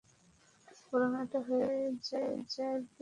বরং এটা হয়ে যায় সুসংবাদের বিপরীত।